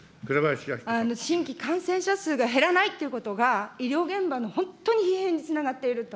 新規感染者数が減らないということが、医療現場の本当に疲弊につながっていると。